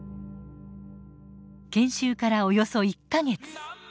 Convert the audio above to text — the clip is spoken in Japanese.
研修からおよそ１か月。